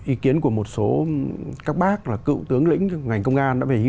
ý kiến của một số các bác là cựu tướng lĩnh ngành công an đã về ý